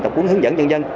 tập quân hướng dẫn dân dân